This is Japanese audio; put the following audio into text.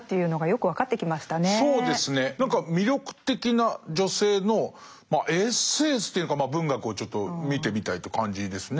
何か魅力的な女性のエッセンスというのかまあ文学をちょっと見てみたいって感じですね。